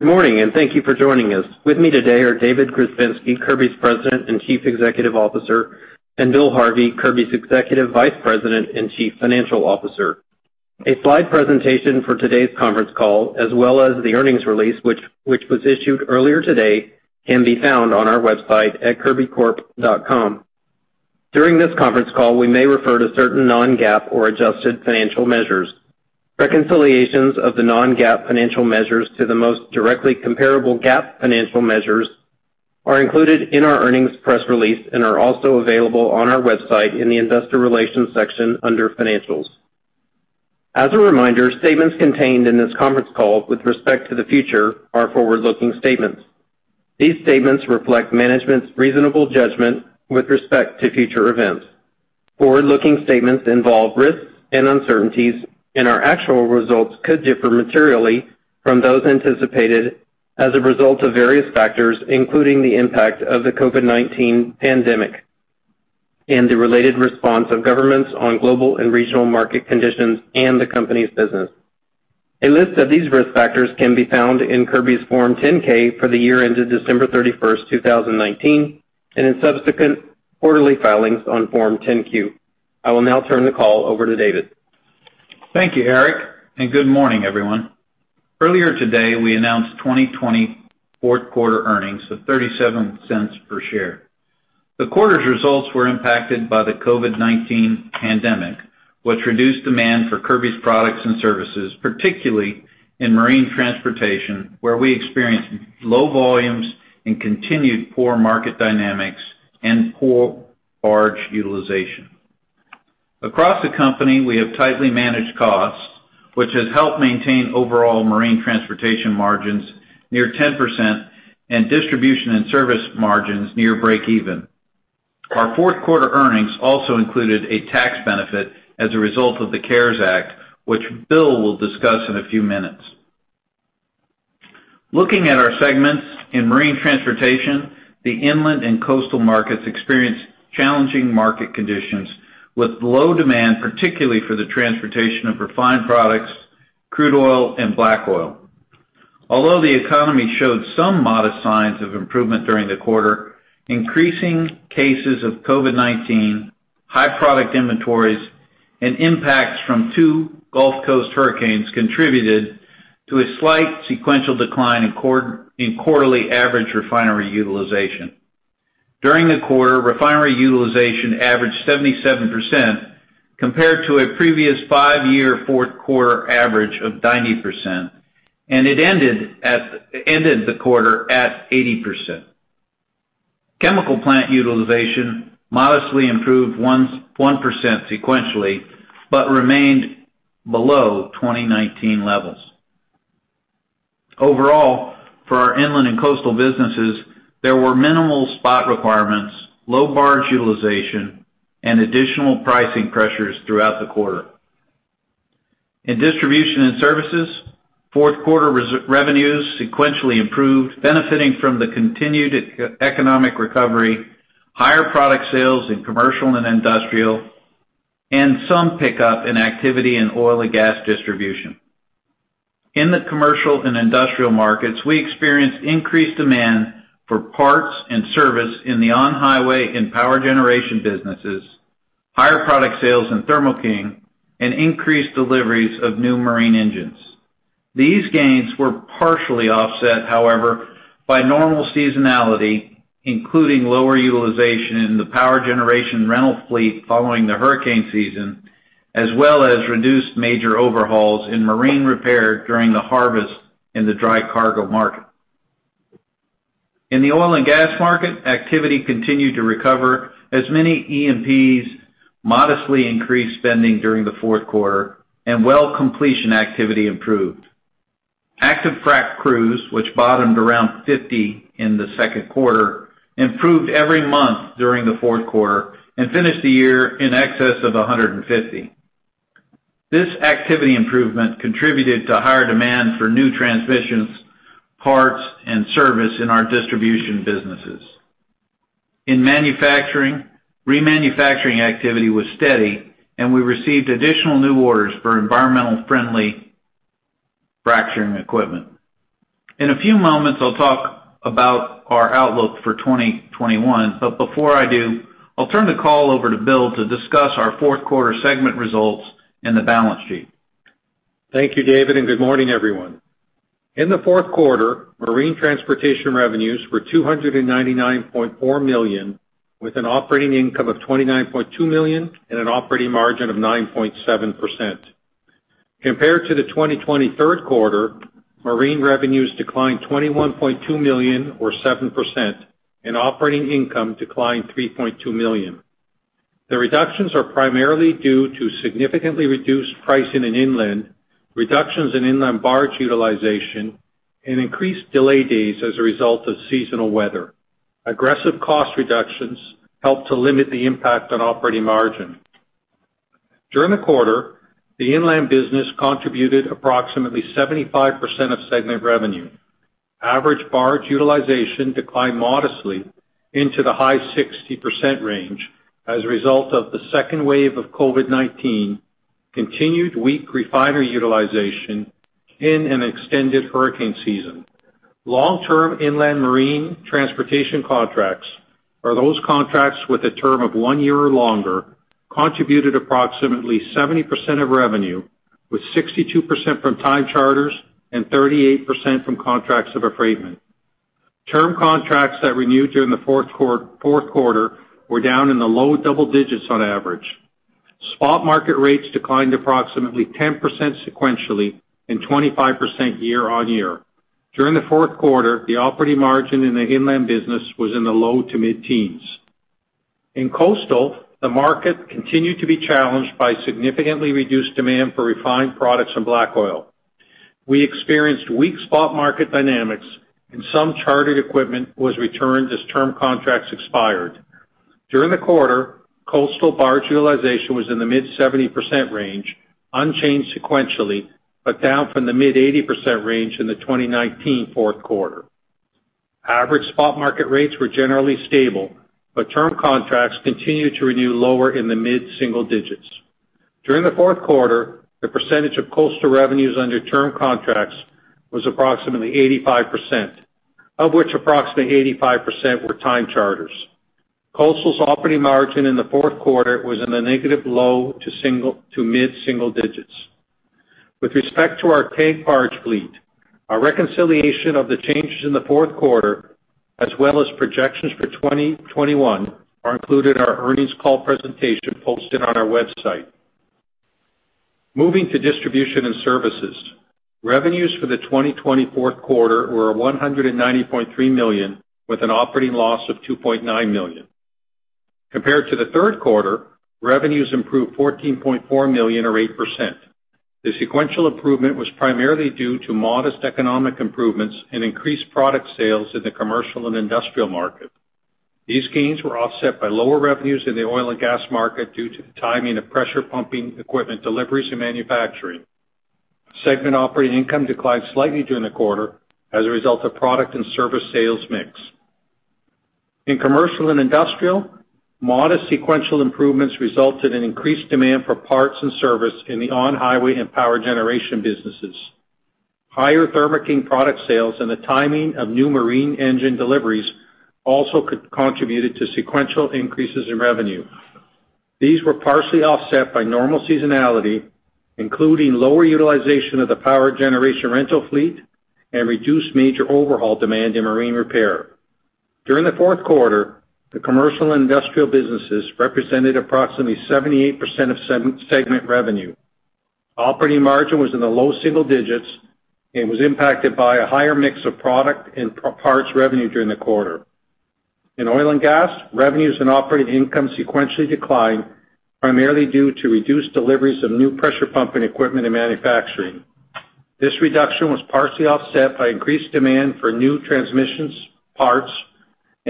Good morning, and thank you for joining us. With me today are David Grzebinski, Kirby's President and Chief Executive Officer, and Bill Harvey, Kirby's Executive Vice President and Chief Financial Officer. A slide presentation for today's conference call, as well as the earnings release, which was issued earlier today, can be found on our website at kirbycorp.com. During this conference call, we may refer to certain non-GAAP or adjusted financial measures. Reconciliations of the non-GAAP financial measures to the most directly comparable GAAP financial measures are included in our earnings press release and are also available on our website in the Investor Relations section under Financials. As a reminder, statements contained in this conference call with respect to the future are forward-looking statements. These statements reflect management's reasonable judgment with respect to future events. Forward-looking statements involve risks and uncertainties, and our actual results could differ materially from those anticipated as a result of various factors, including the impact of the COVID-19 pandemic and the related response of governments on global and regional market conditions and the company's business. A list of these risk factors can be found in Kirby's Form 10-K for the year ended December 31, 2019, and in subsequent quarterly filings on Form 10-Q. I will now turn the call over to David. Thank you, Eric, and good morning, everyone. Earlier today, we announced 2020 fourth quarter earnings of $0.37 per share. The quarter's results were impacted by the COVID-19 pandemic, which reduced demand for Kirby's products and services, particularly in marine transportation, where we experienced low volumes and continued poor market dynamics and poor barge utilization. Across the company, we have tightly managed costs, which has helped maintain overall marine transportation margins near 10% and distribution and service margins near breakeven. Our fourth quarter earnings also included a tax benefit as a result of the CARES Act, which Bill will discuss in a few minutes. Looking at our segments in marine transportation, the inland and coastal markets experienced challenging market conditions with low demand, particularly for the transportation of refined products, crude oil, and black oil. Although the economy showed some modest signs of improvement during the quarter, increasing cases of COVID-19, high product inventories, and impacts from 2 Gulf Coast hurricanes contributed to a slight sequential decline in quarterly average refinery utilization. During the quarter, refinery utilization averaged 77% compared to a previous 5-year fourth quarter average of 90%, and it ended the quarter at 80%. Chemical plant utilization modestly improved 1% sequentially, but remained below 2019 levels. Overall, for our inland and coastal businesses, there were minimal spot requirements, low barge utilization, and additional pricing pressures throughout the quarter. In distribution and services, fourth quarter revenues sequentially improved, benefiting from the continued economic recovery, higher product sales in commercial and industrial, and some pickup in activity in oil and gas distribution. In the commercial and industrial markets, we experienced increased demand for parts and service in the on-highway and power generation businesses, higher product sales in Thermo King, and increased deliveries of new marine engines. These gains were partially offset, however, by normal seasonality, including lower utilization in the power generation rental fleet following the hurricane season, as well as reduced major overhauls in marine repair during the harvest in the dry cargo market. In the oil and gas market, activity continued to recover as many E&Ps modestly increased spending during the fourth quarter and well completion activity improved. Active frac crews, which bottomed around 50 in the second quarter, improved every month during the fourth quarter and finished the year in excess of 150. This activity improvement contributed to higher demand for new transmissions, parts, and service in our distribution businesses. In manufacturing, remanufacturing activity was steady, and we received additional new orders for environmentally friendly fracturing equipment. In a few moments, I'll talk about our outlook for 2021, but before I do, I'll turn the call over to Bill to discuss our fourth quarter segment results and the balance sheet. Thank you, David, and good morning, everyone. In the fourth quarter, marine transportation revenues were $299.4 million, with an operating income of $29.2 million and an operating margin of 9.7%. Compared to the 2023 third quarter, marine revenues declined $21.2 million or 7%, and operating income declined $3.2 million. The reductions are primarily due to significantly reduced pricing in inland, reductions in inland barge utilization, and increased delay days as a result of seasonal weather. Aggressive cost reductions helped to limit the impact on operating margin. During the quarter, the inland business contributed approximately 75% of segment revenue. Average barge utilization declined modestly into the high 60% range as a result of the second wave of COVID-19, continued weak refinery utilization and an extended hurricane season. Long-term inland marine transportation contracts are those contracts with a term of 1 year or longer, contributed approximately 70% of revenue, with 62% from time charters and 38% from contracts of affreightment. Term contracts that renewed during the fourth quarter were down in the low double digits on average. Spot market rates declined approximately 10% sequentially and 25% year-on-year. During the fourth quarter, the operating margin in the inland business was in the low to mid-teens. In coastal, the market continued to be challenged by significantly reduced demand for refined products and black oil. We experienced weak spot market dynamics, and some chartered equipment was returned as term contracts expired. During the quarter, coastal barge utilization was in the mid-70% range, unchanged sequentially, but down from the mid-80% range in the 2019 fourth quarter. Average spot market rates were generally stable, but term contracts continued to renew lower in the mid-single digits. During the fourth quarter, the percentage of coastal revenues under term contracts was approximately 85%, of which approximately 85% were time charters. Coastal's operating margin in the fourth quarter was in the negative low to mid-single digits. With respect to our tank barge fleet, our reconciliation of the changes in the fourth quarter, as well as projections for 2021, are included in our earnings call presentation posted on our website. Moving to distribution and services, revenues for the 2020 fourth quarter were $190.3 million, with an operating loss of $2.9 million. Compared to the third quarter, revenues improved $14.4 million or 8%. The sequential improvement was primarily due to modest economic improvements and increased product sales in the commercial and industrial market. These gains were offset by lower revenues in the oil and gas market due to the timing of pressure pumping equipment deliveries and manufacturing. Segment operating income declined slightly during the quarter as a result of product and service sales mix. In commercial and industrial, modest sequential improvements resulted in increased demand for parts and service in the on-highway and power generation businesses. Higher Thermo King product sales and the timing of new marine engine deliveries also contributed to sequential increases in revenue. These were partially offset by normal seasonality, including lower utilization of the power generation rental fleet and reduced major overhaul demand in marine repair. During the fourth quarter, the commercial and industrial businesses represented approximately 78% of segment revenue. Operating margin was in the low single digits and was impacted by a higher mix of product and parts revenue during the quarter. In oil and gas, revenues and operating income sequentially declined, primarily due to reduced deliveries of new pressure pumping equipment and manufacturing. This reduction was partially offset by increased demand for new transmissions, parts,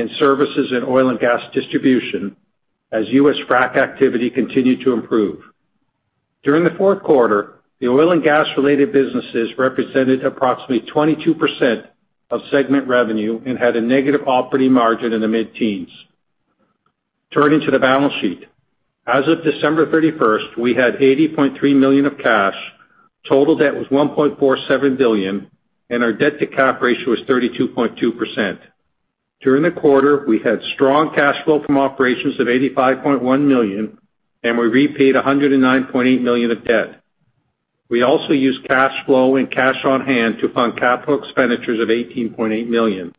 and services in oil and gas distribution as U.S. frac activity continued to improve. During the fourth quarter, the oil and gas-related businesses represented approximately 22% of segment revenue and had a negative operating margin in the mid-teens. Turning to the balance sheet. As of December 31, we had $80.3 million of cash, total debt was $1.47 billion, and our debt to cap ratio was 32.2%. During the quarter, we had strong cash flow from operations of $85.1 million, and we repaid $109.8 million of debt. We also used cash flow and cash on hand to fund capital expenditures of $18.8 million.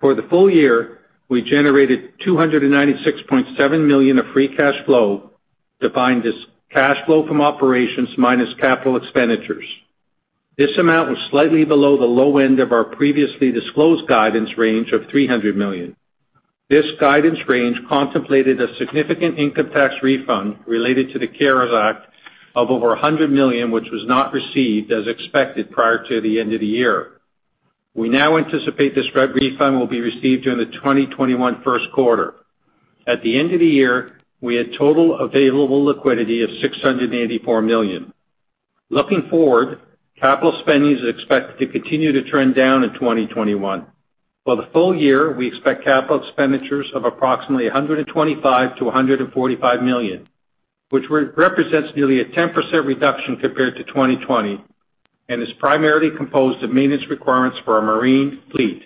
For the full year, we generated $296.7 million of free cash flow, defined as cash flow from operations minus capital expenditures. This amount was slightly below the low end of our previously disclosed guidance range of $300 million. This guidance range contemplated a significant income tax refund related to the CARES Act of over $100 million, which was not received as expected prior to the end of the year. We now anticipate this refund will be received during the 2021 first quarter. At the end of the year, we had total available liquidity of $684 million. Looking forward, capital spending is expected to continue to trend down in 2021. For the full year, we expect capital expenditures of approximately $125 million-$145 million, which represents nearly a 10% reduction compared to 2020, and is primarily composed of maintenance requirements for our marine fleet.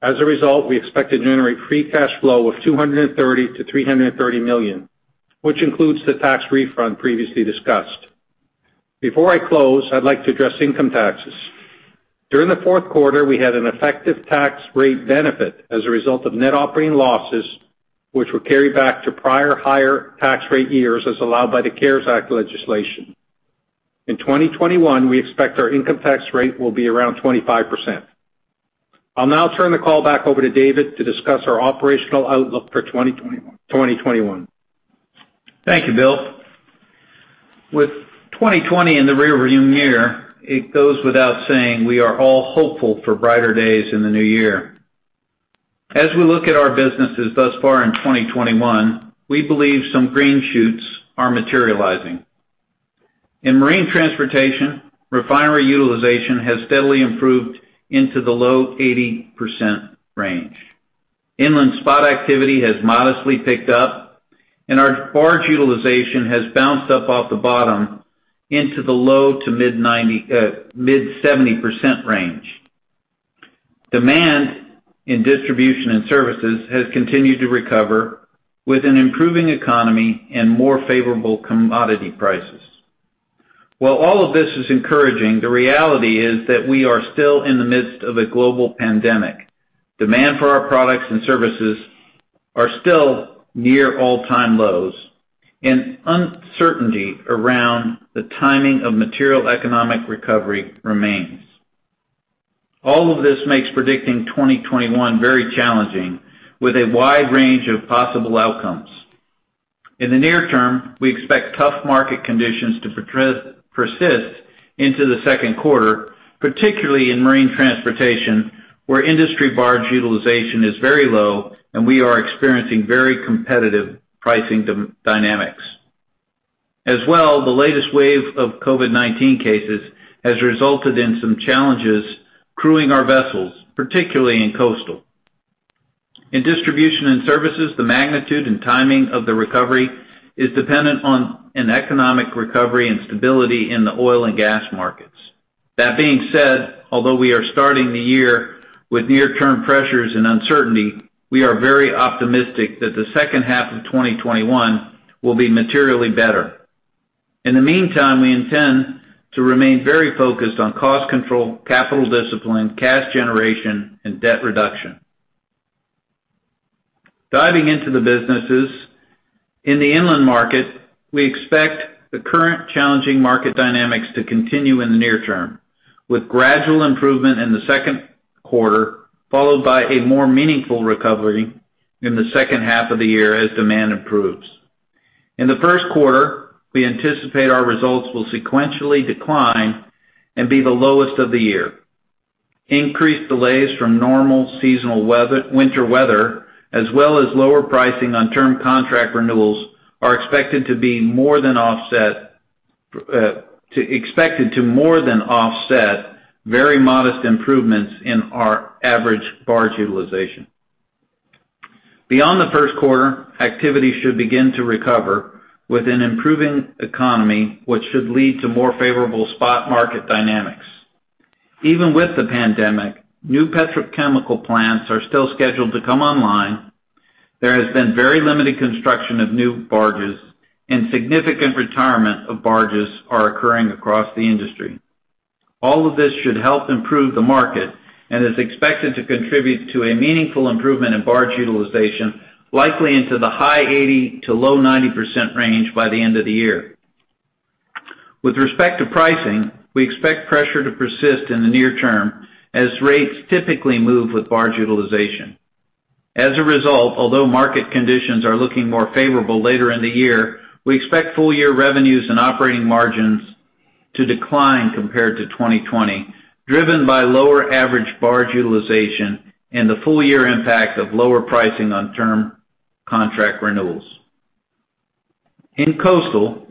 As a result, we expect to generate free cash flow of $230 million-$330 million, which includes the tax refund previously discussed. Before I close, I'd like to address income taxes. During the fourth quarter, we had an effective tax rate benefit as a result of net operating losses, which were carried back to prior higher tax rate years, as allowed by the CARES Act legislation. In 2021, we expect our income tax rate will be around 25%. I'll now turn the call back over to David to discuss our operational outlook for 2021. Thank you, Bill. With 2020 in the rearview mirror, it goes without saying we are all hopeful for brighter days in the new year. As we look at our businesses thus far in 2021, we believe some green shoots are materializing.... In marine transportation, refinery utilization has steadily improved into the low 80% range. Inland spot activity has modestly picked up, and our barge utilization has bounced up off the bottom into the low- to mid-70% range. Demand in distribution and services has continued to recover with an improving economy and more favorable commodity prices. While all of this is encouraging, the reality is that we are still in the midst of a global pandemic. Demand for our products and services are still near all-time lows, and uncertainty around the timing of material economic recovery remains. All of this makes predicting 2021 very challenging, with a wide range of possible outcomes. In the near term, we expect tough market conditions to persist into the second quarter, particularly in marine transportation, where industry barge utilization is very low, and we are experiencing very competitive pricing dynamics. As well, the latest wave of COVID-19 cases has resulted in some challenges crewing our vessels, particularly in coastal. In distribution and services, the magnitude and timing of the recovery is dependent on an economic recovery and stability in the oil and gas markets. That being said, although we are starting the year with near-term pressures and uncertainty, we are very optimistic that the second half of 2021 will be materially better. In the meantime, we intend to remain very focused on cost control, capital discipline, cash generation, and debt reduction. Diving into the businesses, in the inland market, we expect the current challenging market dynamics to continue in the near term, with gradual improvement in the second quarter, followed by a more meaningful recovery in the second half of the year as demand improves. In the first quarter, we anticipate our results will sequentially decline and be the lowest of the year. Increased delays from normal seasonal weather, winter weather, as well as lower pricing on term contract renewals, are expected to be more than offset very modest improvements in our average barge utilization. Beyond the first quarter, activity should begin to recover with an improving economy, which should lead to more favorable spot market dynamics. Even with the pandemic, new petrochemical plants are still scheduled to come online, there has been very limited construction of new barges, and significant retirement of barges are occurring across the industry. All of this should help improve the market and is expected to contribute to a meaningful improvement in barge utilization, likely into the high 80%-low 90% range by the end of the year. With respect to pricing, we expect pressure to persist in the near term as rates typically move with barge utilization. As a result, although market conditions are looking more favorable later in the year, we expect full-year revenues and operating margins to decline compared to 2020, driven by lower average barge utilization and the full-year impact of lower pricing on term contract renewals. In coastal,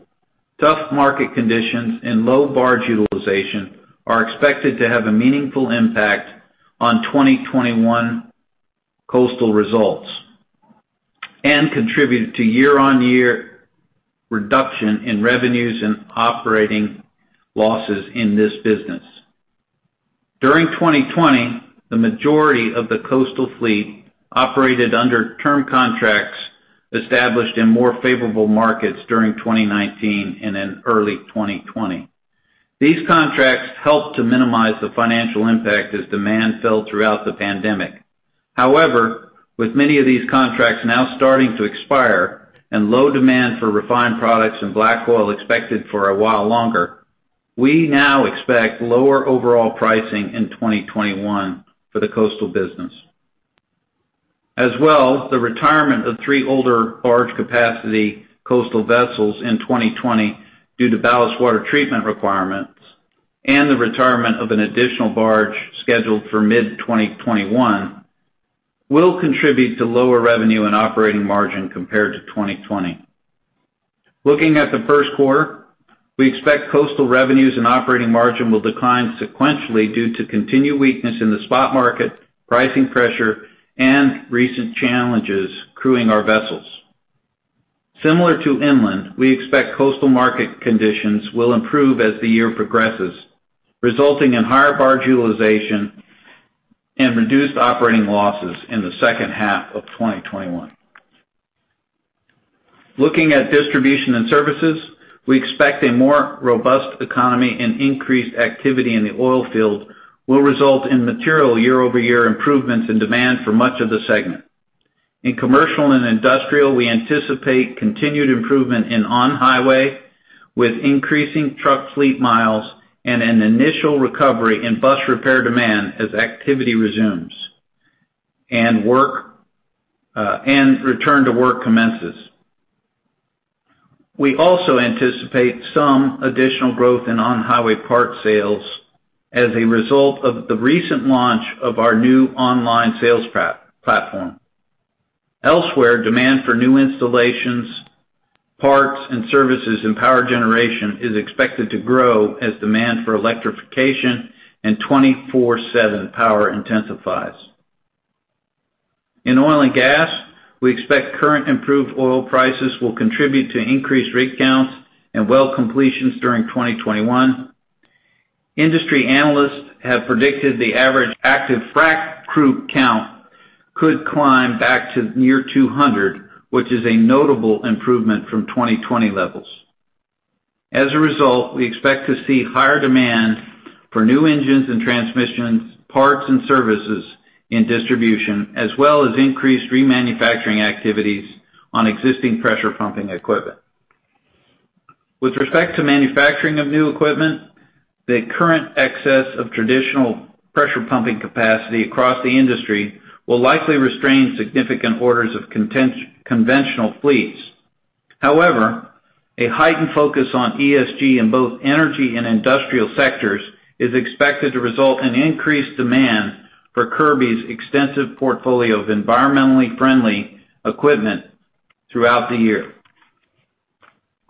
tough market conditions and low barge utilization are expected to have a meaningful impact on 2021 coastal results and contribute to year-on-year reduction in revenues and operating losses in this business. During 2020, the majority of the coastal fleet operated under term contracts established in more favorable markets during 2019 and in early 2020. These contracts helped to minimize the financial impact as demand fell throughout the pandemic. However, with many of these contracts now starting to expire and low demand for refined products and black oil expected for a while longer, we now expect lower overall pricing in 2021 for the coastal business. As well, the retirement of 3 older barge capacity coastal vessels in 2020 due to ballast water treatment requirements and the retirement of an additional barge scheduled for mid-2021, will contribute to lower revenue and operating margin compared to 2020. Looking at the first quarter, we expect coastal revenues and operating margin will decline sequentially due to continued weakness in the spot market, pricing pressure, and recent challenges crewing our vessels. Similar to inland, we expect coastal market conditions will improve as the year progresses, resulting in higher barge utilization and reduced operating losses in the second half of 2021. Looking at distribution and services, we expect a more robust economy and increased activity in the oil field will result in material year-over-year improvements in demand for much of the segment. In commercial and industrial, we anticipate continued improvement in on-highway, with increasing truck fleet miles and an initial recovery in bus repair demand as activity resumes, and work, and return to work commences. We also anticipate some additional growth in on-highway part sales as a result of the recent launch of our new online sales platform. Elsewhere, demand for new installations, parts, and services in power generation is expected to grow as demand for electrification and 24/7 power intensifies. In oil and gas, we expect current improved oil prices will contribute to increased rig counts and well completions during 2021. Industry analysts have predicted the average active frac crew count could climb back to near 200, which is a notable improvement from 2020 levels. As a result, we expect to see higher demand for new engines and transmissions, parts and services in distribution, as well as increased remanufacturing activities on existing pressure pumping equipment. With respect to manufacturing of new equipment, the current excess of traditional pressure pumping capacity across the industry will likely restrain significant orders of conventional fleets. However, a heightened focus on ESG in both energy and industrial sectors is expected to result in increased demand for Kirby's extensive portfolio of environmentally friendly equipment throughout the year.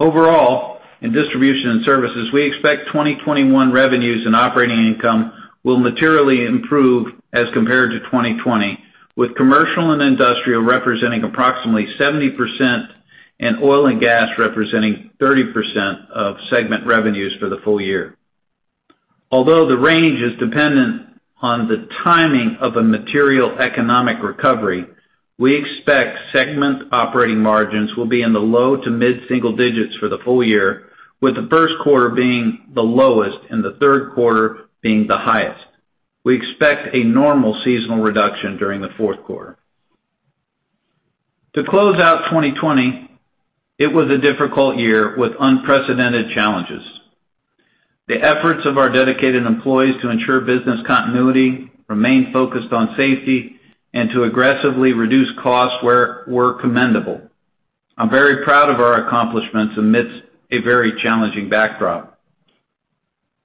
Overall, in distribution and services, we expect 2021 revenues and operating income will materially improve as compared to 2020, with commercial and industrial representing approximately 70%, and oil and gas representing 30% of segment revenues for the full year. Although the range is dependent on the timing of a material economic recovery, we expect segment operating margins will be in the low to mid-single digits for the full year, with the first quarter being the lowest and the third quarter being the highest. We expect a normal seasonal reduction during the fourth quarter. To close out 2020, it was a difficult year with unprecedented challenges. The efforts of our dedicated employees to ensure business continuity, remain focused on safety, and to aggressively reduce costs were commendable. I'm very proud of our accomplishments amidst a very challenging backdrop.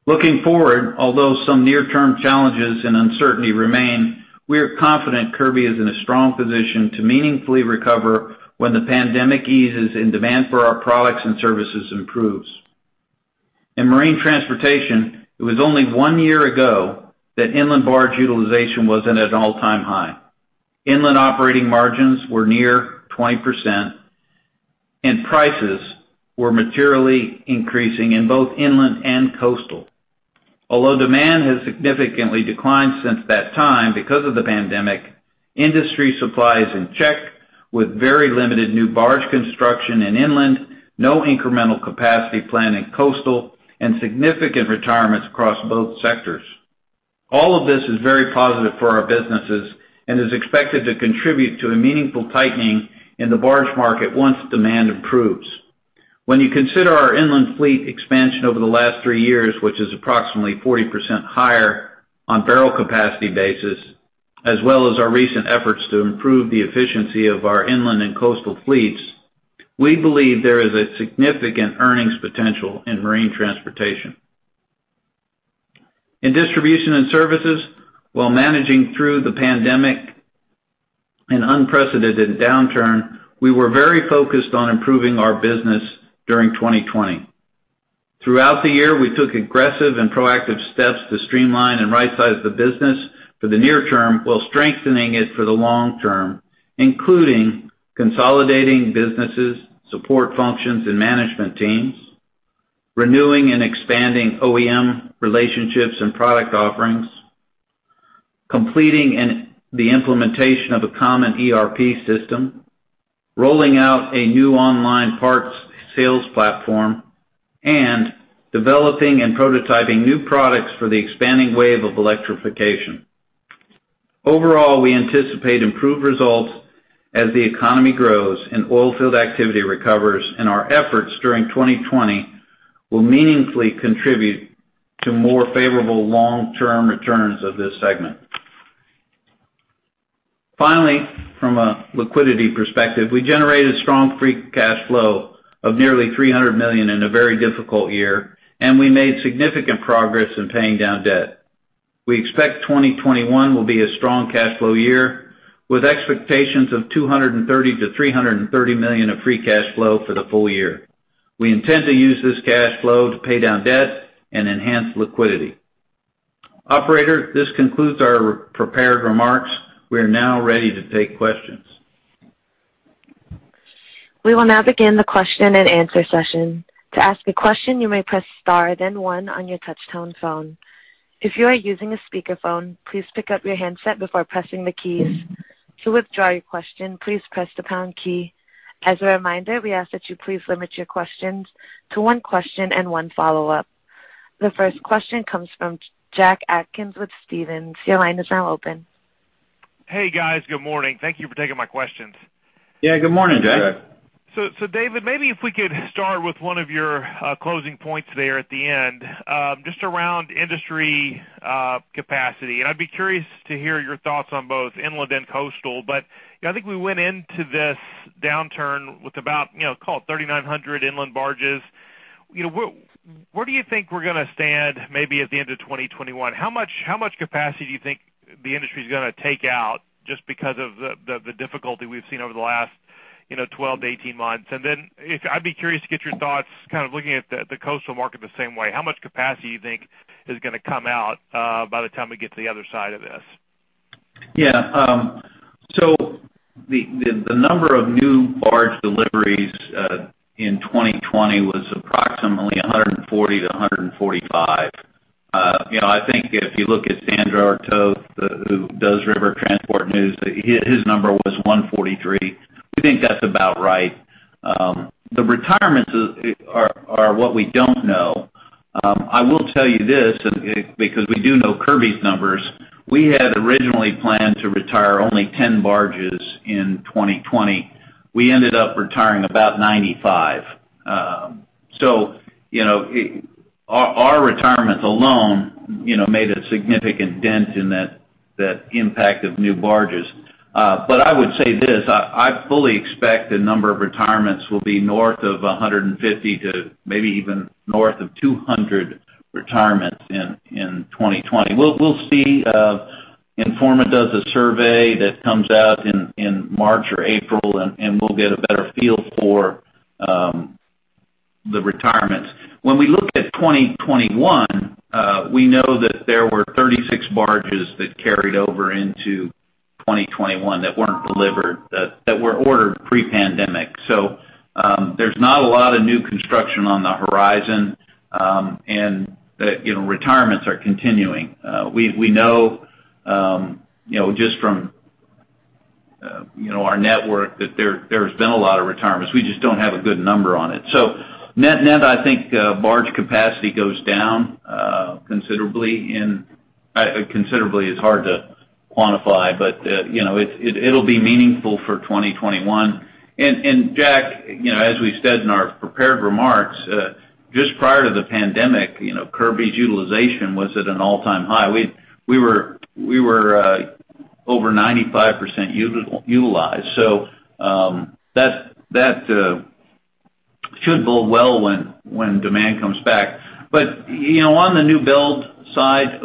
Looking forward, although some near-term challenges and uncertainty remain, we are confident Kirby is in a strong position to meaningfully recover when the pandemic eases and demand for our products and services improves. In marine transportation, it was only 1 year ago that inland barge utilization was at an all-time high. Inland operating margins were near 20%, and prices were materially increasing in both inland and coastal. Although demand has significantly declined since that time because of the pandemic, industry supply is in check, with very limited new barge construction in inland, no incremental capacity planned in coastal, and significant retirements across both sectors. All of this is very positive for our businesses and is expected to contribute to a meaningful tightening in the barge market once demand improves. When you consider our inland fleet expansion over the last 3 years, which is approximately 40% higher on barrel capacity basis, as well as our recent efforts to improve the efficiency of our inland and coastal fleets, we believe there is a significant earnings potential in marine transportation. In distribution and services, while managing through the pandemic and unprecedented downturn, we were very focused on improving our business during 2020. Throughout the year, we took aggressive and proactive steps to streamline and rightsize the business for the near term while strengthening it for the long term, including consolidating businesses, support functions, and management teams, renewing and expanding OEM relationships and product offerings, completing the implementation of a common ERP system, rolling out a new online parts sales platform, and developing and prototyping new products for the expanding wave of electrification. Overall, we anticipate improved results as the economy grows and oil field activity recovers, and our efforts during 2020 will meaningfully contribute to more favorable long-term returns of this segment. Finally, from a liquidity perspective, we generated strong free cash flow of nearly $300 million in a very difficult year, and we made significant progress in paying down debt. We expect 2021 will be a strong cash flow year, with expectations of $230 million-$330 million of free cash flow for the full year. We intend to use this cash flow to pay down debt and enhance liquidity. Operator, this concludes our prepared remarks. We are now ready to take questions. We will now begin the question-and-answer session. To ask a question, you may press star, then one on your touch-tone phone. If you are using a speakerphone, please pick up your handset before pressing the keys. To withdraw your question, please press the pound key. As a reminder, we ask that you please limit your questions to one question and one follow-up. The first question comes from Jack Atkins with Stephens. Your line is now open. Hey, guys. Good morning. Thank you for taking my questions. Yeah, good morning, Jack. So, David, maybe if we could start with one of your closing points there at the end, just around industry capacity. And I'd be curious to hear your thoughts on both inland and coastal. But, you know, I think we went into this downturn with about, you know, call it 3,900 inland barges. You know, where do you think we're gonna stand maybe at the end of 2021? How much, how much capacity do you think the industry is gonna take out just because of the difficulty we've seen over the last, you know, 12-18 months? And then I'd be curious to get your thoughts, kind of looking at the coastal market the same way. How much capacity you think is gonna come out, by the time we get to the other side of this? Yeah, so the number of new barge deliveries in 2020 was approximately 140-145. You know, I think if you look at Sandor Toth, who does River Transport News, his number was 143. We think that's about right. The retirements are what we don't know. I will tell you this, because we do know Kirby's numbers. We had originally planned to retire only 10 barges in 2020. We ended up retiring about 95. So, you know, our retirements alone made a significant dent in that impact of new barges. But I would say this, I fully expect the number of retirements will be north of 150 to maybe even north of 200 retirements in 2020. We'll see. Informa does a survey that comes out in March or April, and we'll get a better feel for the retirements. When we look at 2021, we know that there were 36 barges that carried over into 2021 that weren't delivered, that were ordered pre-pandemic. So, there's not a lot of new construction on the horizon, and that, you know, retirements are continuing. We know, you know, just from our network, that there's been a lot of retirements. We just don't have a good number on it. So net, I think, barge capacity goes down considerably, and considerably is hard to quantify, but, you know, it, it'll be meaningful for 2021. And Jack, you know, as we said in our prepared remarks, just prior to the pandemic, you know, Kirby's utilization was at an all-time high. We were over 95% utilized, so that should bode well when demand comes back. But you know, on the new build side,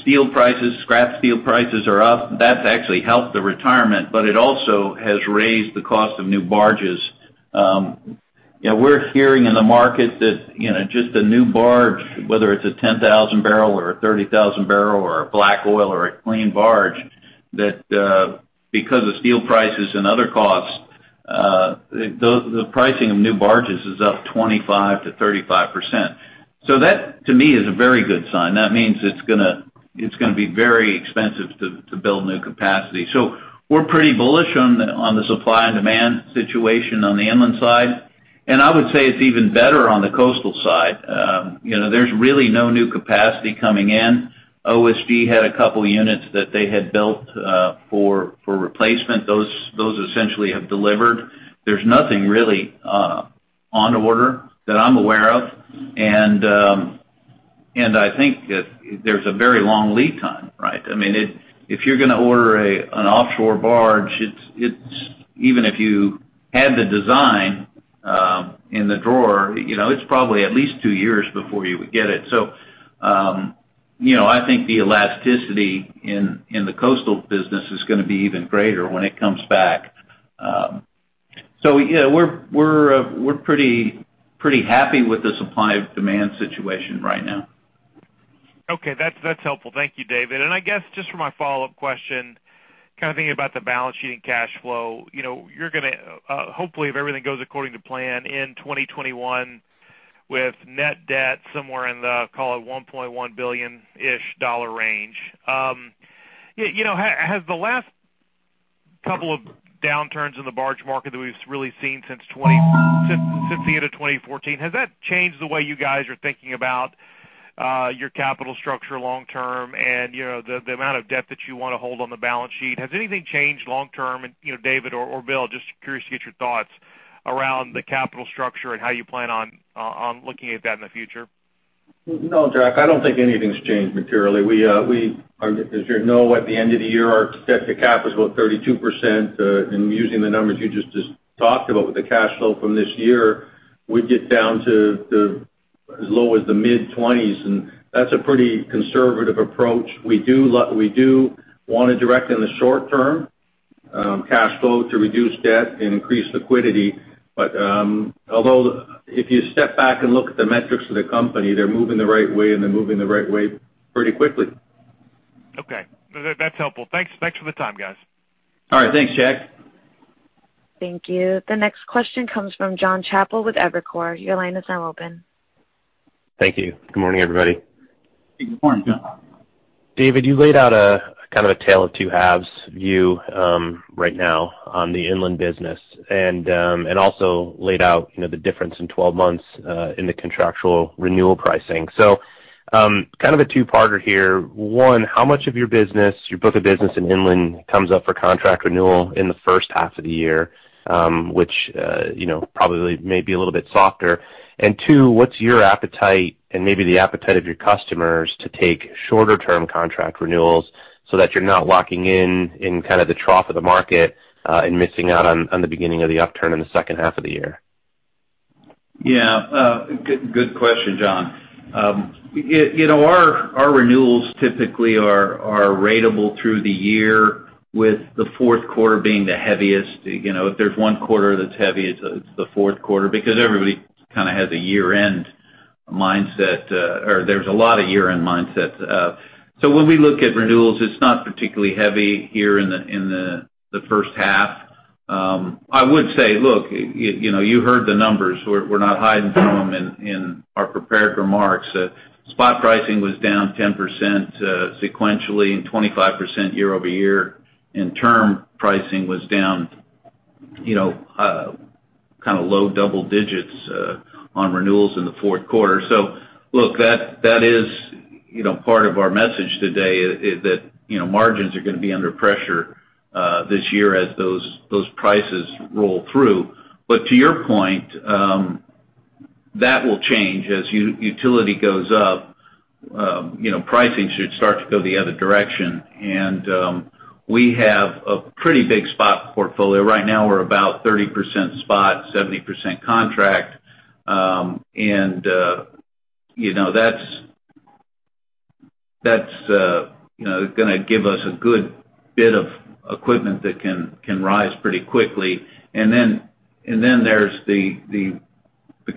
steel prices, scrap steel prices are up. That's actually helped the retirement, but it also has raised the cost of new barges. You know, we're hearing in the market that, you know, just a new barge, whether it's a 10,000-barrel or a 30,000-barrel or a black oil or a clean barge, that because of steel prices and other costs, the pricing of new barges is up 25%-35%. So that, to me, is a very good sign. That means it's gonna be very expensive to build new capacity. So we're pretty bullish on the supply and demand situation on the inland side, and I would say it's even better on the coastal side. You know, there's really no new capacity coming in. OSG had a couple units that they had built for replacement. Those essentially have delivered. There's nothing really on order that I'm aware of. And I think that there's a very long lead time, right? I mean, if you're gonna order an offshore barge, it's even if you had the design in the drawer, you know, it's probably at least 2 years before you would get it. So you know, I think the elasticity in the coastal business is gonna be even greater when it comes back. So yeah, we're pretty happy with the supply of demand situation right now. Okay. That's, that's helpful. Thank you, David. And I guess, just for my follow-up question, kind of thinking about the balance sheet and cash flow. You know, you're gonna hopefully, if everything goes according to plan in 2021, with net debt somewhere in the, call it, $1.1 billion-ish dollar range. Yeah, you know, has the last couple of downturns in the barge market that we've really seen since since the end of 2014, has that changed the way you guys are thinking about your capital structure long term, and, you know, the, the amount of debt that you want to hold on the balance sheet? Has anything changed long term, and, you know, David or, or Bill, just curious to get your thoughts around the capital structure and how you plan on on looking at that in the future? No, Jack, I don't think anything's changed materially. We, we are... As you know, at the end of the year, our debt to cap was about 32%. And using the numbers you just talked about with the cash flow from this year, we'd get down to as low as the mid-20s, and that's a pretty conservative approach. We do want to direct in the short term cash flow to reduce debt and increase liquidity. But although, if you step back and look at the metrics of the company, they're moving the right way, and they're moving the right way pretty quickly. Okay. That, that's helpful. Thanks. Thanks for the time, guys. All right. Thanks, Jack. Thank you. The next question comes from John Chappell with Evercore. Your line is now open. Thank you. Good morning, everybody. Good morning, John. David, you laid out a kind of a tale of 2 halves view, right now on the inland business. And also laid out, you know, the difference in 12 months, in the contractual renewal pricing. So, kind of a 2-parter here. 1, how much of your business, your book of business in inland, comes up for contract renewal in the first half of the year, which, you know, probably may be a little bit softer? And 2, what's your appetite and maybe the appetite of your customers to take shorter term contract renewals so that you're not locking in in kind of the trough of the market, and missing out on the beginning of the upturn in the second half of the year?... Yeah, good, good question, John. You know, our renewals typically are ratable through the year, with the fourth quarter being the heaviest. You know, if there's 1 quarter that's heavy, it's the fourth quarter, because everybody kind of has a year-end mindset, or there's a lot of year-end mindsets. So when we look at renewals, it's not particularly heavy here in the first half. I would say, look, you know, you heard the numbers. We're not hiding from them in our prepared remarks. Spot pricing was down 10%, sequentially, and 25% year-over-year, and term pricing was down, you know, kind of low double digits, on renewals in the fourth quarter. So look, that is, you know, part of our message today, is that, you know, margins are going to be under pressure this year as those prices roll through. But to your point, that will change. As utilization goes up, you know, pricing should start to go the other direction, and we have a pretty big spot portfolio. Right now, we're about 30% spot, 70% contract, and, you know, that's gonna give us a good bit of equipment that can rise pretty quickly. And then there's the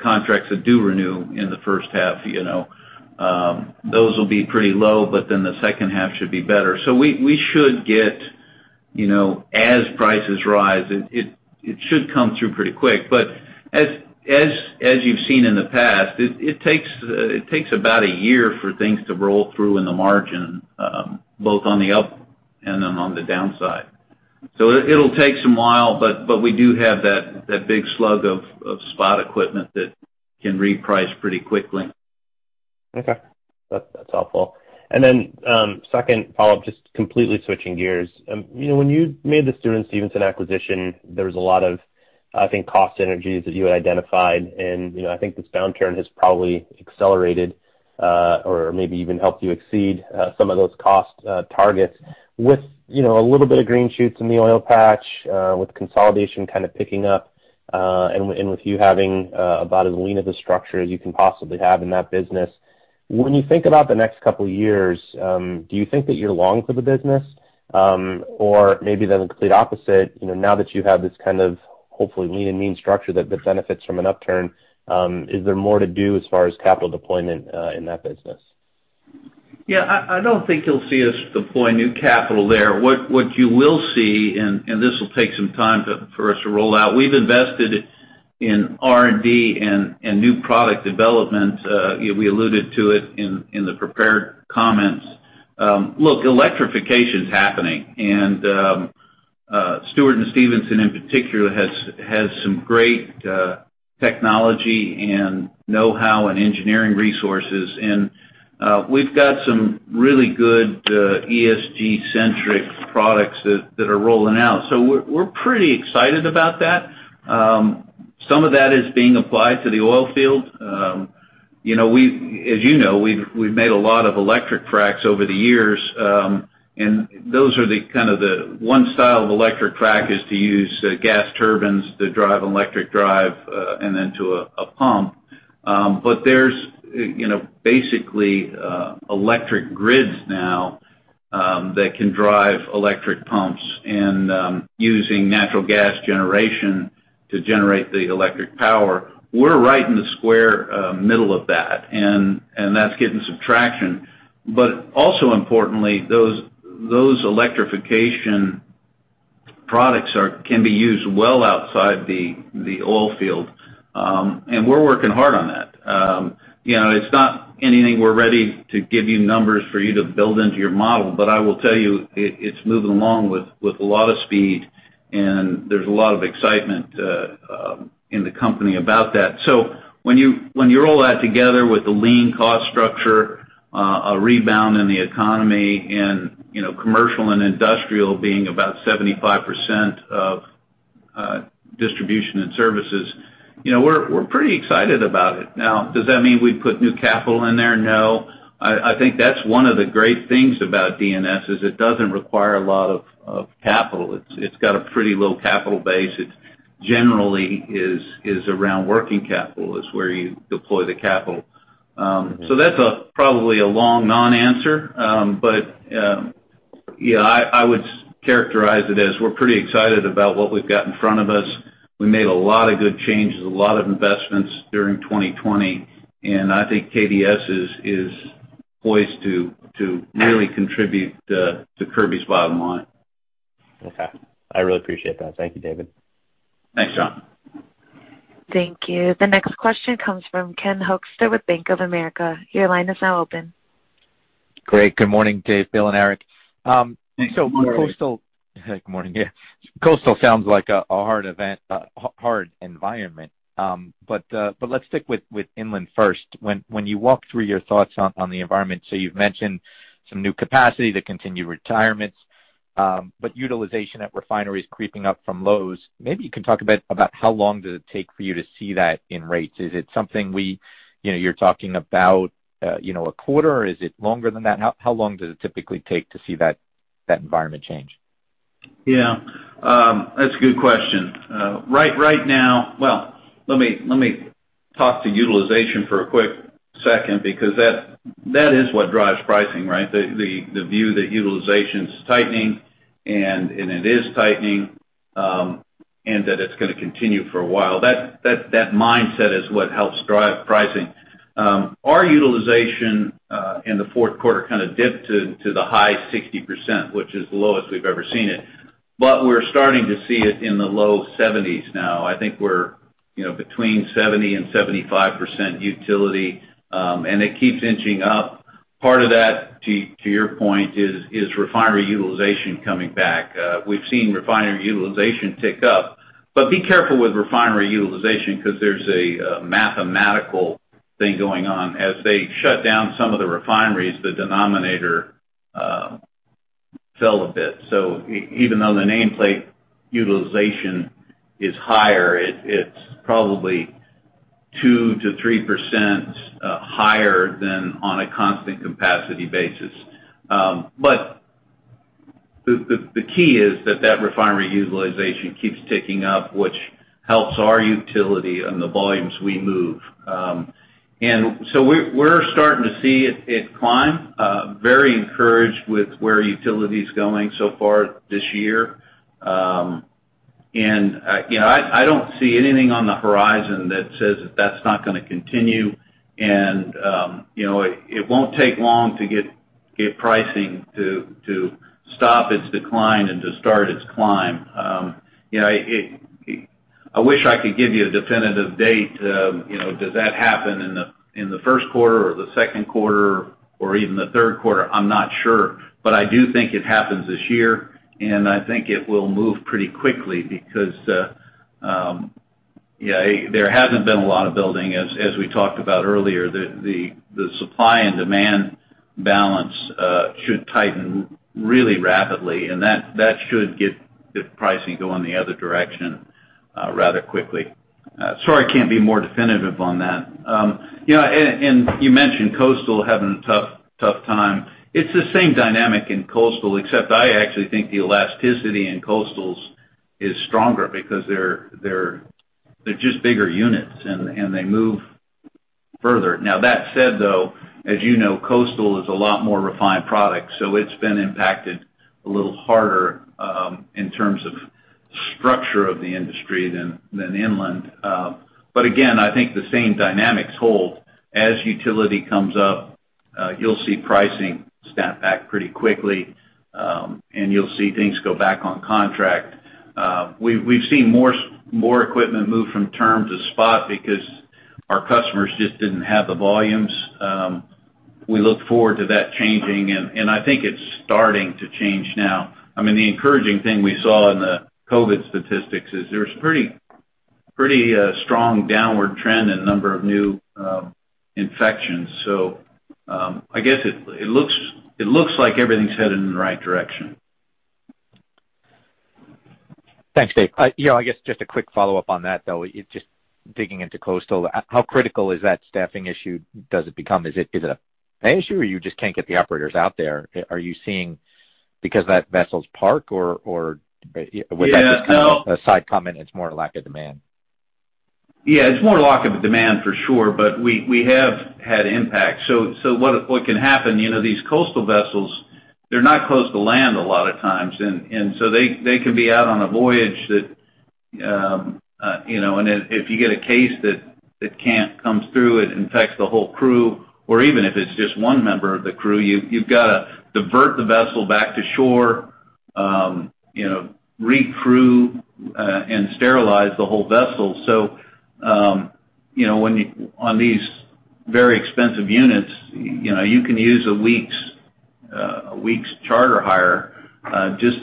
contracts that do renew in the first half, you know. Those will be pretty low, but then the second half should be better. So we should get, you know, as prices rise, it should come through pretty quick. But as you've seen in the past, it takes about a year for things to roll through in the margin, both on the up and then on the downside. So it'll take some while, but we do have that big slug of spot equipment that can reprice pretty quickly. Okay. That's, that's helpful. And then, second follow-up, just completely switching gears. You know, when you made the Stewart & Stevenson acquisition, there was a lot of, I think, cost synergies that you had identified, and, you know, I think this downturn has probably accelerated, or maybe even helped you exceed, some of those cost targets. With, you know, a little bit of green shoots in the oil patch, with consolidation kind of picking up, and with you having, about as lean of a structure as you can possibly have in that business, when you think about the next couple years, do you think that you're long for the business? Or maybe the complete opposite, you know, now that you have this kind of hopefully lean and mean structure that, that benefits from an upturn, is there more to do as far as capital deployment, in that business? Yeah, I don't think you'll see us deploy new capital there. What you will see, and this will take some time for us to roll out, we've invested in R&D and new product development. You know, we alluded to it in the prepared comments. Look, electrification's happening, and Stewart & Stevenson, in particular, has some great technology and know-how and engineering resources. And we've got some really good ESG-centric products that are rolling out, so we're pretty excited about that. Some of that is being applied to the oil field. You know, as you know, we've made a lot of electric fracs over the years, and those are the kind of the... One style of electric frac is to use gas turbines to drive electric drive and then to a pump. But there's, you know, basically, electric grids now that can drive electric pumps and using natural gas generation to generate the electric power. We're right in the square middle of that, and that's getting some traction. But also importantly, those electrification products can be used well outside the oil field, and we're working hard on that. You know, it's not anything we're ready to give you numbers for you to build into your model, but I will tell you, it's moving along with a lot of speed, and there's a lot of excitement in the company about that. So when you roll that together with the lean cost structure, a rebound in the economy and, you know, commercial and industrial being about 75% of distribution and services, you know, we're pretty excited about it. Now, does that mean we'd put new capital in there? No. I think that's one of the great things about D&S, is it doesn't require a lot of capital. It's got a pretty low capital base. It generally is around working capital, is where you deploy the capital. So that's probably a long non-answer. But yeah, I would characterize it as we're pretty excited about what we've got in front of us. We made a lot of good changes, a lot of investments during 2020, and I think KDS is poised to really contribute to Kirby's bottom line. Okay. I really appreciate that. Thank you, David. Thanks, John. Thank you. The next question comes from Ken Hoexter with Bank of America. Your line is now open. Great. Good morning, Dave, Bill, and Eric. Good morning. Good morning, yeah. Coastal sounds like a hard event, hard environment, but let's stick with inland first. When you walk through your thoughts on the environment, so you've mentioned some new capacity, the continued retirements, but utilization at refineries creeping up from lows, maybe you can talk a bit about how long does it take for you to see that in rates? Is it something we, you know, you're talking about, you know, a quarter, or is it longer than that? How long does it typically take to see that environment change?... Yeah, that's a good question. Right, right now—well, let me talk to utilization for a quick second because that is what drives pricing, right? The view that utilization's tightening, and it is tightening, and that it's gonna continue for a while. That mindset is what helps drive pricing. Our utilization in the fourth quarter kind of dipped to the high 60%, which is the lowest we've ever seen it. But we're starting to see it in the low 70s now. I think we're, you know, between 70% and 75% utilization, and it keeps inching up. Part of that, to your point, is refinery utilization coming back. We've seen refinery utilization tick up. But be careful with refinery utilization because there's a mathematical thing going on. As they shut down some of the refineries, the denominator fell a bit. So even though the nameplate utilization is higher, it's probably 2%-3% higher than on a constant capacity basis. But the key is that refinery utilization keeps ticking up, which helps our utility and the volumes we move. And so we're starting to see it climb. Very encouraged with where utility's going so far this year. And you know, I don't see anything on the horizon that says that's not gonna continue, and you know, it won't take long to get pricing to stop its decline and to start its climb. You know, I wish I could give you a definitive date. You know, does that happen in the first quarter or the second quarter or even the third quarter? I'm not sure. But I do think it happens this year, and I think it will move pretty quickly because, yeah, there hasn't been a lot of building. As we talked about earlier, the supply and demand balance should tighten really rapidly, and that should get the pricing going the other direction rather quickly. Sorry, I can't be more definitive on that. You know, and you mentioned coastal having a tough, tough time. It's the same dynamic in coastal, except I actually think the elasticity in coastals is stronger because they're just bigger units, and they move further. Now, that said, though, as you know, coastal is a lot more refined product, so it's been impacted a little harder in terms of structure of the industry than inland. But again, I think the same dynamics hold. As utility comes up, you'll see pricing snap back pretty quickly, and you'll see things go back on contract. We've seen more equipment move from term to spot because our customers just didn't have the volumes. We look forward to that changing, and I think it's starting to change now. I mean, the encouraging thing we saw in the COVID statistics is there's pretty strong downward trend in number of new infections. So, I guess it looks like everything's headed in the right direction. Thanks, Dave. You know, I guess just a quick follow-up on that, though. Just digging into coastal, how critical is that staffing issue? Does it become... Is it, is it an issue, or you just can't get the operators out there? Are you seeing because that vessel's parked or, or, would that just- Yeah, no- A side comment, it's more lack of demand? Yeah, it's more lack of demand, for sure, but we have had impact. So what can happen, you know, these coastal vessels, they're not close to land a lot of times, and so they can be out on a voyage that, you know, and if you get a case that comes through, it infects the whole crew, or even if it's just 1 member of the crew, you've got to divert the vessel back to shore, you know, recrew, and sterilize the whole vessel. So, you know, when on these very expensive units, you know, you can use a week's charter hire, just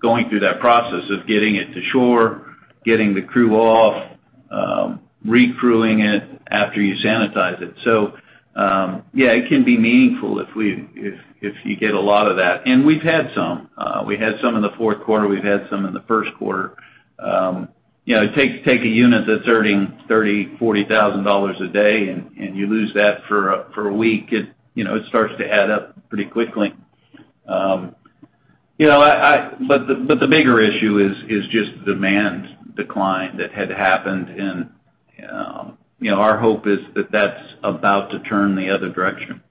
going through that process of getting it to shore, getting the crew off, recrewing it after you sanitize it. So, yeah, it can be meaningful if you get a lot of that. We've had some in the fourth quarter. We've had some in the first quarter. You know, take a unit that's earning $30,000-$40,000 a day, and you lose that for a week. It, you know, starts to add up pretty quickly. You know, but the bigger issue is just demand decline that had happened, and, you know, our hope is that that's about to turn the other direction.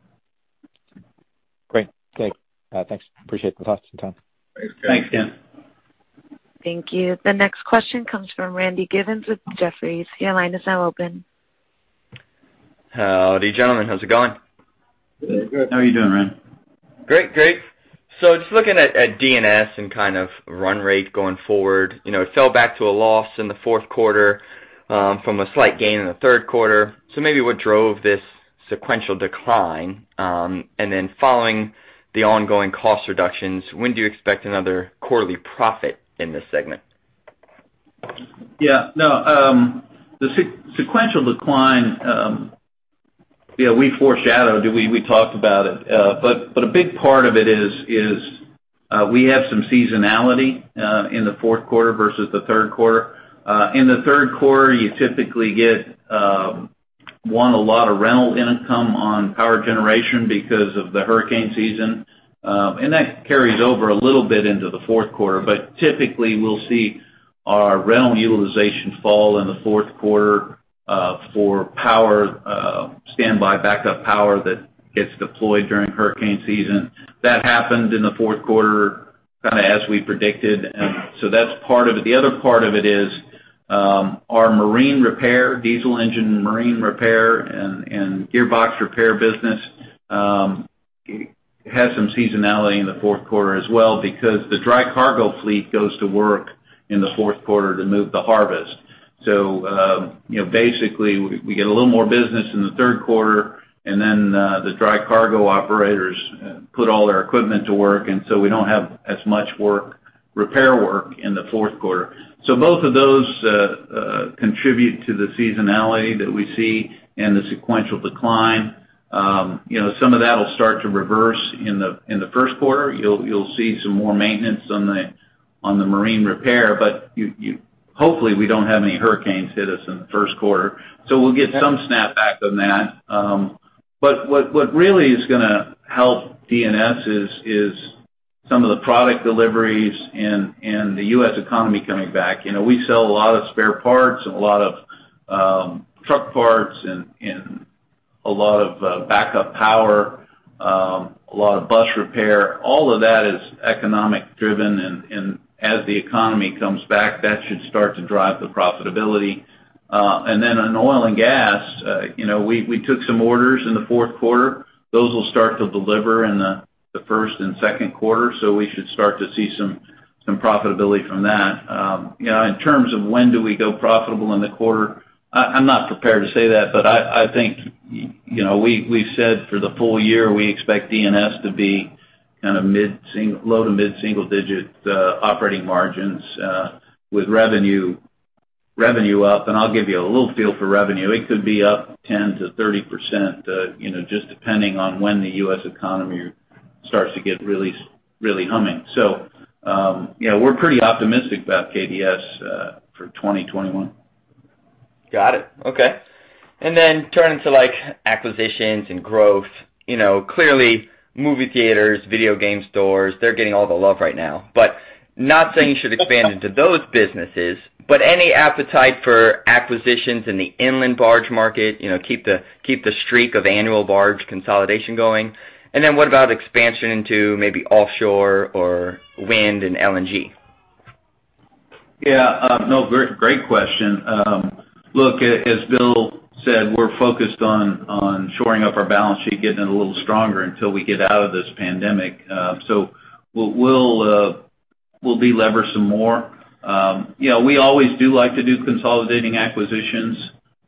Great. Okay, thanks. Appreciate the thoughts and time. Thanks, Ken. Thank you. The next question comes from Randy Givens with Jefferies. Your line is now open. Howdy, gentlemen. How's it going? Good. How are you doing, Randy? Great. Great. So just looking at D&S and kind of run rate going forward, you know, it fell back to a loss in the fourth quarter from a slight gain in the third quarter. So maybe what drove this sequential decline, and then following the ongoing cost reductions, when do you expect another quarterly profit in this segment? Yeah. No, the sequential decline, you know, we foreshadowed it. We talked about it. But a big part of it is we have some seasonality in the fourth quarter versus the third quarter. In the third quarter, you typically get a lot of rental income on power generation because of the hurricane season, and that carries over a little bit into the fourth quarter. But typically, we'll see our rental utilization fall in the fourth quarter for power standby backup power that gets deployed during hurricane season. That happened in the fourth quarter, kind of as we predicted, and so that's part of it. The other part of it is, our marine repair, diesel engine marine repair and gearbox repair business, has some seasonality in the fourth quarter as well, because the dry cargo fleet goes to work in the fourth quarter to move the harvest. So, you know, basically, we get a little more business in the third quarter, and then, the dry cargo operators put all their equipment to work, and so we don't have as much work, repair work in the fourth quarter. So both of those contribute to the seasonality that we see and the sequential decline. You know, some of that will start to reverse in the first quarter. You'll see some more maintenance on the marine repair, but hopefully, we don't have any hurricanes hit us in the first quarter. So we'll get some snapback on that. But what really is gonna help D&S is some of the product deliveries and the U.S. economy coming back. You know, we sell a lot of spare parts and a lot of truck parts and a lot of backup power, a lot of bus repair. All of that is economic driven, and as the economy comes back, that should start to drive the profitability. And then on oil and gas, you know, we took some orders in the fourth quarter. Those will start to deliver in the first and second quarter, so we should start to see some profitability from that. You know, in terms of when do we go profitable in the quarter, I'm not prepared to say that, but I think, you know, we said for the full year, we expect D&S to be kind of low to mid-single digit operating margins with revenue up. And I'll give you a little feel for revenue. It could be up 10%-30%, you know, just depending on when the U.S. economy starts to get really, really humming. So, you know, we're pretty optimistic about KDS for 2021. Got it. Okay. And then turning to, like, acquisitions and growth, you know, clearly, movie theaters, video game stores, they're getting all the love right now. But not saying you should expand into those businesses, but any appetite for acquisitions in the inland barge market? You know, keep the, keep the streak of annual barge consolidation going. And then what about expansion into maybe offshore or wind and LNG? Yeah, no, great, great question. Look, as Bill said, we're focused on shoring up our balance sheet, getting it a little stronger until we get out of this pandemic. So we'll de-lever some more. You know, we always do like to do consolidating acquisitions,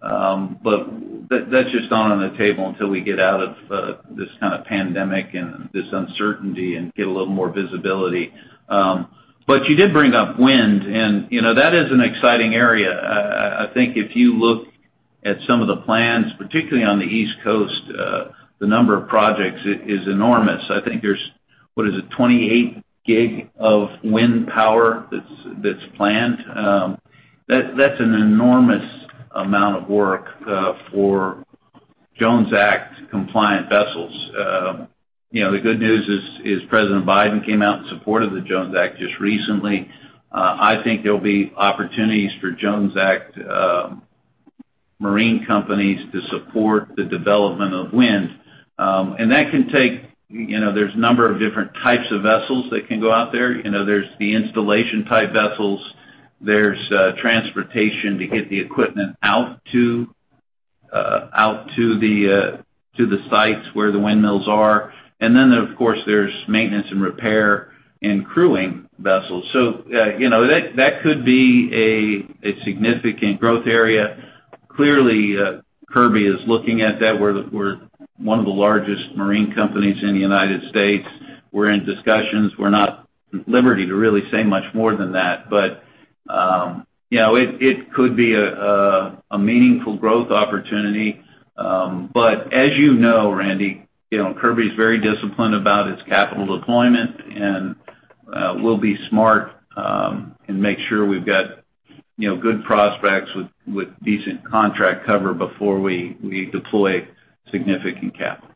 but that's just not on the table until we get out of this kind of pandemic and this uncertainty and get a little more visibility. But you did bring up wind, and you know, that is an exciting area. I think if you look at some of the plans, particularly on the East Coast, the number of projects is enormous. I think there's, what is it, 28 gig of wind power that's planned? That's an enormous amount of work for Jones Act compliant vessels. You know, the good news is, is President Biden came out in support of the Jones Act just recently. I think there'll be opportunities for Jones Act marine companies to support the development of wind. And that can take, you know, there's a number of different types of vessels that can go out there. You know, there's the installation-type vessels, there's transportation to get the equipment out to out to the to the sites where the windmills are. And then, of course, there's maintenance and repair and crewing vessels. So, you know, that, that could be a, a significant growth area. Clearly, Kirby is looking at that. We're one of the largest marine companies in the United States. We're in discussions. We're not at liberty to really say much more than that, but, you know, it could be a meaningful growth opportunity. But as you know, Randy, you know, Kirby's very disciplined about its capital deployment, and, we'll be smart, and make sure we've got, you know, good prospects with decent contract cover before we deploy significant capital.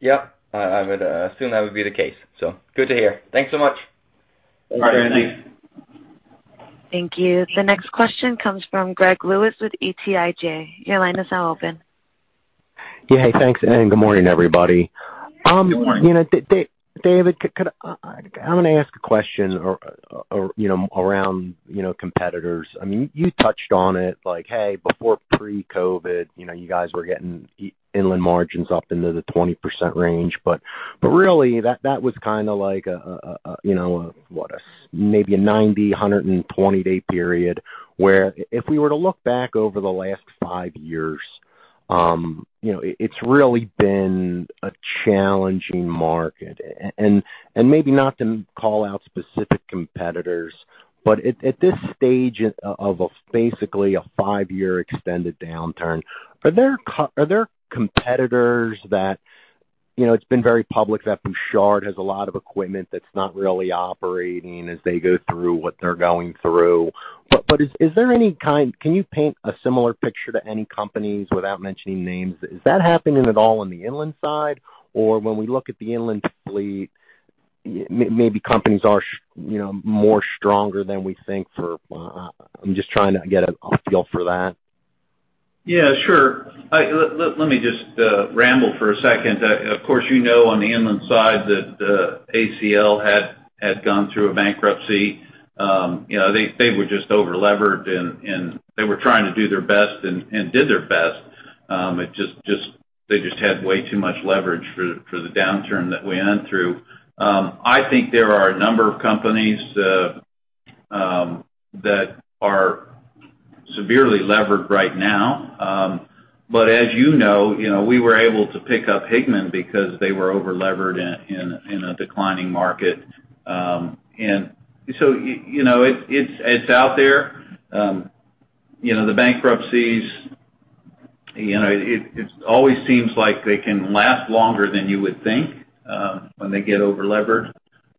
Yep. I would assume that would be the case. So good to hear. Thanks so much! Bye, Randy. Thank you. The next question comes from Greg Lewis with BTIG. Your line is now open. Yeah. Hey, thanks, and good morning, everybody. Good morning. You know, David, could... I'm gonna ask a question around, you know, competitors. I mean, you touched on it, like, hey, before pre-COVID, you know, you guys were getting inland margins up into the 20% range. But really, that was kind of like a, you know, what, a maybe a 90-120-day period, where if we were to look back over the last five years, you know, it's really been a challenging market. And, and maybe not to call out specific competitors, but at this stage of basically a 5-year extended downturn, are there competitors that... you know, it's been very public that Bouchard has a lot of equipment that's not really operating as they go through what they're going through. But is there any kind— Can you paint a similar picture to any companies without mentioning names? Is that happening at all on the inland side? Or when we look at the inland fleet, maybe companies are, you know, more stronger than we think for... I'm just trying to get a feel for that. Yeah, sure. Let me just ramble for a second. Of course, you know, on the inland side that ACL had gone through a bankruptcy. You know, they were just overlevered, and they were trying to do their best and did their best. It just. They just had way too much leverage for the downturn that we went through. I think there are a number of companies that are severely levered right now. But as you know, you know, we were able to pick up Higman because they were overlevered in a declining market. And so, you know, it, it's out there. You know, the bankruptcies, you know, it always seems like they can last longer than you would think, when they get overlevered.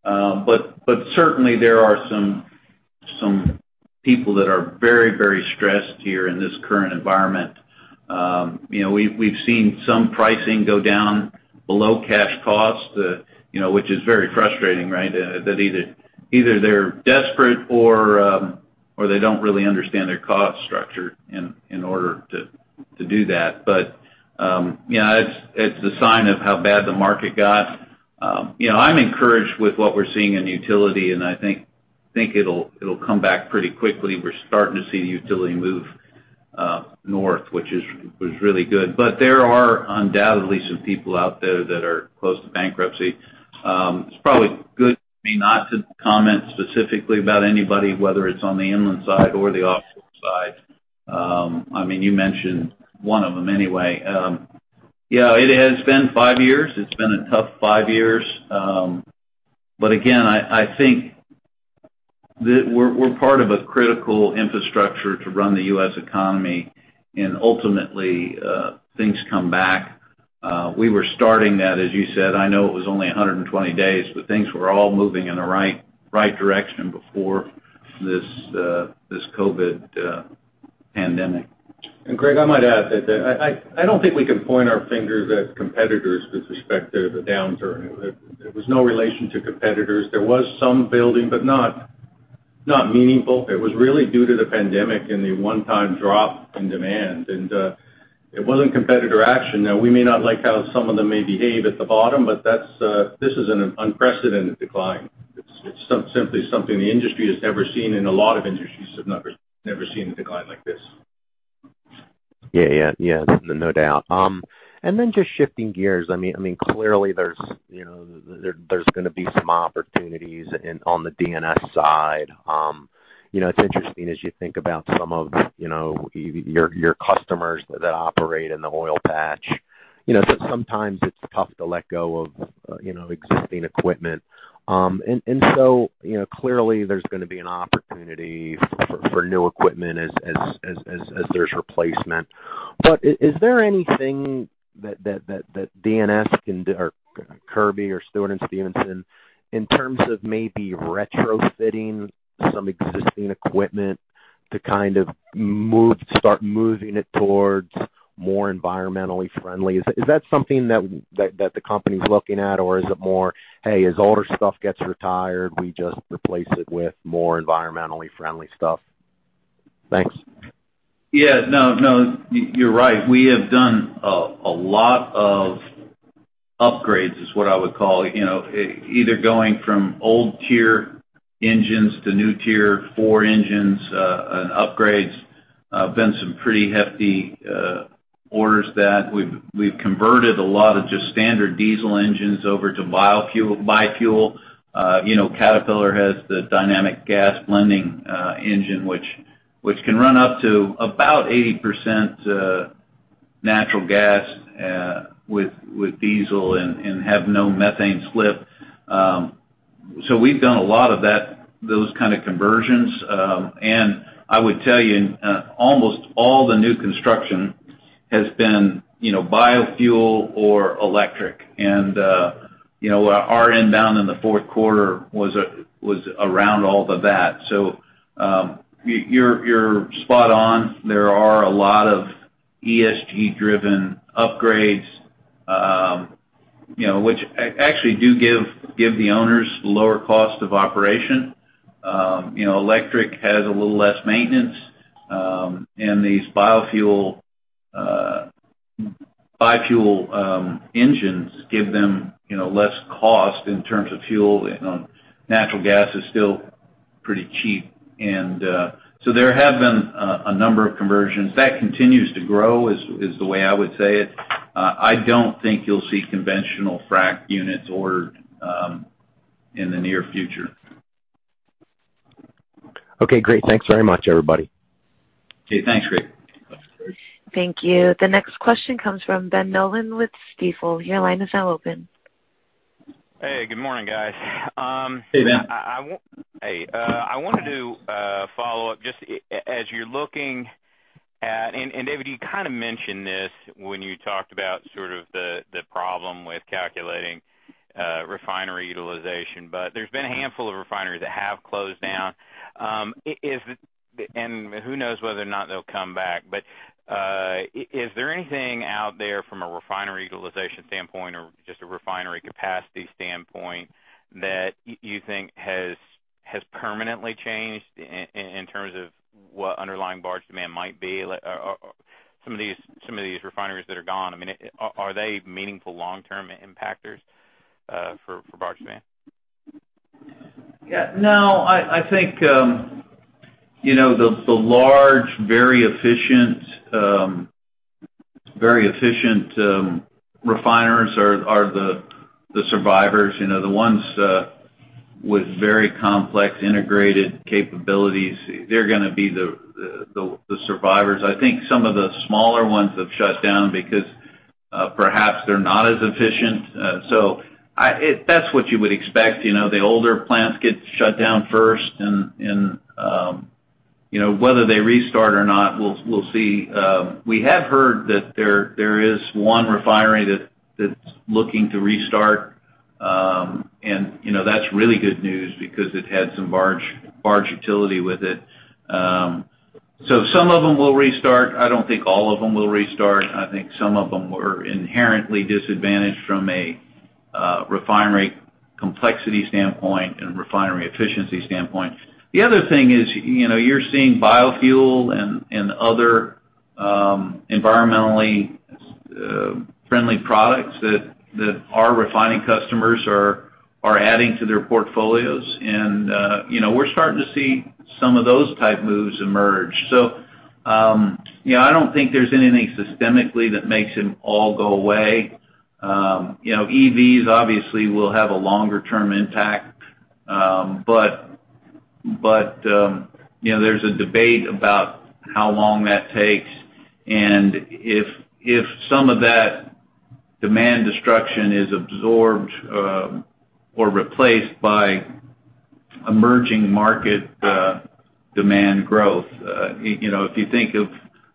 But certainly, there are some people that are very stressed here in this current environment. You know, we've seen some pricing go down below cash costs, you know, which is very frustrating, right? That either they're desperate or they don't really understand their cost structure in order to do that. But you know, it's a sign of how bad the market got. You know, I'm encouraged with what we're seeing in utility, and I think it'll come back pretty quickly. We're starting to see utility move north, which was really good. But there are undoubtedly some people out there that are close to bankruptcy. It's probably good for me not to comment specifically about anybody, whether it's on the inland side or the offshore side. I mean, you mentioned one of them anyway. Yeah, it has been five years. It's been a tough five years. But again, I think that we're part of a critical infrastructure to run the U.S. economy, and ultimately, things come back. We were starting that, as you said. I know it was only 120 days, but things were all moving in the right, right direction before this COVID pandemic. Greg, I might add that I don't think we can point our fingers at competitors with respect to the downturn. It was no relation to competitors. There was some building, but not meaningful. It was really due to the pandemic and the one-time drop in demand, and it wasn't competitor action. Now, we may not like how some of them may behave at the bottom, but that's, this is an unprecedented decline. It's simply something the industry has never seen, and a lot of industries have never seen a decline like this. Yeah, yeah, yeah, no doubt. And then just shifting gears, I mean, I mean, clearly, there's, you know, there's gonna be some opportunities in, on the D&S side. You know, it's interesting as you think about some of, you know, your customers that operate in the oil patch. You know, sometimes it's tough to let go of, you know, existing equipment. And so, you know, clearly there's gonna be an opportunity for new equipment as there's replacement. But is there anything that D&S can do, or Kirby or Stewart & Stevenson, in terms of maybe retrofitting some existing equipment to kind of move, start moving it towards more environmentally friendly? Is that something that the company's looking at, or is it more, "Hey, as older stuff gets retired, we just replace it with more environmentally friendly stuff?" Thanks. Yeah. No, no, you're right. We have done a lot of upgrades, is what I would call it. You know, either going from old Tier engines to new Tier 4 engines, and upgrades, been some pretty hefty orders that we've converted a lot of just standard diesel engines over to bi-fuel. You know, Caterpillar has the Dynamic Gas Blending engine, which can run up to about 80% natural gas with diesel and have no methane slip. So we've done a lot of that, those kind of conversions. And I would tell you, almost all the new construction has been, you know, bi-fuel or electric. And, you know, our spend down in the fourth quarter was around all of that. So, you're spot on. There are a lot of ESG-driven upgrades, you know, which actually do give the owners lower cost of operation. You know, electric has a little less maintenance, and these bi-fuel, bi-fuel engines give them, you know, less cost in terms of fuel. You know, natural gas is still pretty cheap, and so there have been a number of conversions. That continues to grow, is the way I would say it. I don't think you'll see conventional frac units ordered in the near future. Okay, great. Thanks very much, everybody. Okay, thanks, Greg. Thank you. The next question comes from Ben Nolan with Stifel. Your line is now open. ... Hey, good morning, guys. Hey, Ben. Hey, I wanted to follow up just as you're looking at—and David, you kind of mentioned this when you talked about sort of the problem with calculating refinery utilization. But there's been a handful of refineries that have closed down. Is—and who knows whether or not they'll come back, but is there anything out there from a refinery utilization standpoint or just a refinery capacity standpoint that you think has permanently changed in terms of what underlying barge demand might be? Like, some of these, some of these refineries that are gone, I mean, are they meaningful long-term impactors for barge demand? Yeah. No, I think, you know, the large, very efficient refiners are the survivors. You know, the ones with very complex integrated capabilities, they're gonna be the survivors. I think some of the smaller ones have shut down because, perhaps they're not as efficient. So that's what you would expect, you know, the older plants get shut down first, and, you know, whether they restart or not, we'll see. We have heard that there is one refinery that's looking to restart. And, you know, that's really good news because it had some barge utility with it. So some of them will restart. I don't think all of them will restart. I think some of them were inherently disadvantaged from a refinery complexity standpoint and refinery efficiency standpoint. The other thing is, you know, you're seeing bi-fuel and other environmentally friendly products that our refining customers are adding to their portfolios. And, you know, we're starting to see some of those type moves emerge. So, you know, I don't think there's anything systemically that makes them all go away. You know, EVs obviously will have a longer term impact, but, you know, there's a debate about how long that takes. And if some of that demand destruction is absorbed or replaced by emerging market demand growth, you know, if you think of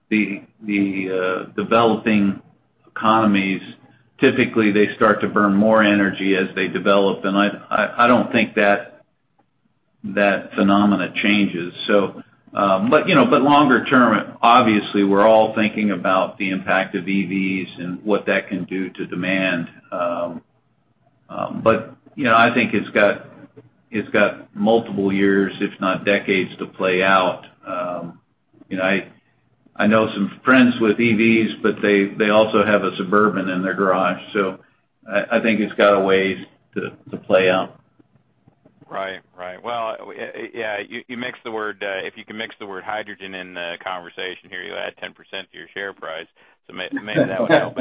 the developing economies, typically they start to burn more energy as they develop, and I don't think that phenomena changes. So, but, you know, but longer term, obviously, we're all thinking about the impact of EVs and what that can do to demand. But, you know, I think it's got multiple years, if not decades, to play out. You know, I know some friends with EVs, but they also have a Suburban in their garage, so I think it's got a ways to play out. Right. Right. Well, yeah, you mixed the word. If you can mix the word hydrogen in the conversation here, you add 10% to your share price, so maybe that would help.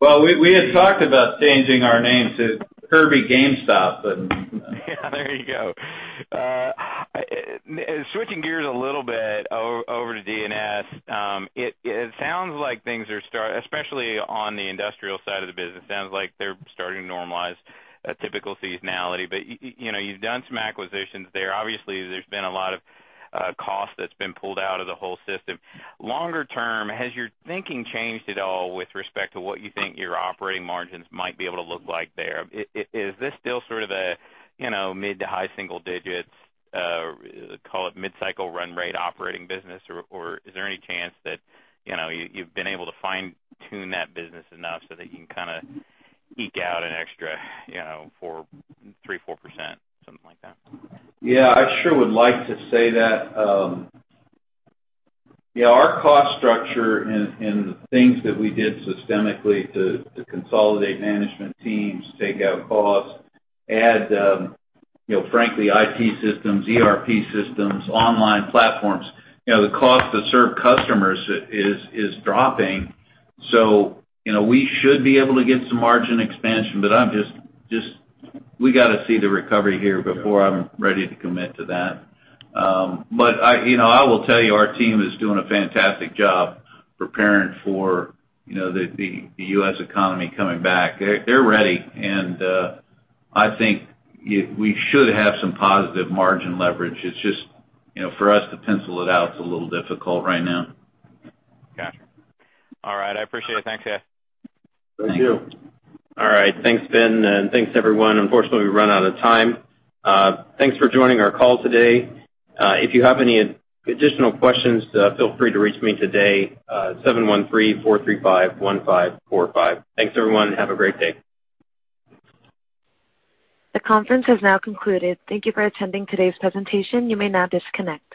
Well, we had talked about changing our name to Kirby GameStop, but- Yeah, there you go. Switching gears a little bit over to D&S. It sounds like things are starting, especially on the industrial side of the business, to normalize a typical seasonality. But you know, you've done some acquisitions there. Obviously, there's been a lot of cost that's been pulled out of the whole system. Longer term, has your thinking changed at all with respect to what you think your operating margins might be able to look like there? Is this still sort of a, you know, mid- to high-single digits, call it mid-cycle run rate operating business, or, or is there any chance that, you know, you, you've been able to fine-tune that business enough so that you can kind of eke out an extra, you know, 3%-4%, something like that? Yeah, I sure would like to say that. Yeah, our cost structure and the things that we did systemically to consolidate management teams, take out costs, add, you know, frankly, IT systems, ERP systems, online platforms, you know, the cost to serve customers is dropping. So, you know, we should be able to get some margin expansion, but I'm just... we got to see the recovery here before I'm ready to commit to that. But I, you know, I will tell you, our team is doing a fantastic job preparing for, you know, the U.S. economy coming back. They're ready, and I think we should have some positive margin leverage. It's just, you know, for us to pencil it out, it's a little difficult right now. Gotcha. All right, I appreciate it. Thanks, guys. Thank you. All right. Thanks, Ben, and thanks, everyone. Unfortunately, we've run out of time. Thanks for joining our call today. If you have any additional questions, feel free to reach me today, 713-435-1545. Thanks, everyone, and have a great day. The conference has now concluded. Thank you for attending today's presentation. You may now disconnect.